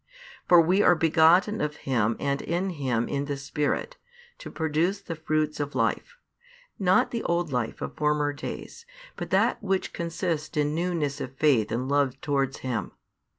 For we are begotten of Him and in Him in the Spirit, to produce the fruits of life; not the old life |364 of former days, but that which consists in newness of faith and love towards Him.